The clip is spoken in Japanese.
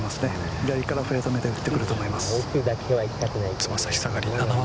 左からフェードめで打ってくると思います。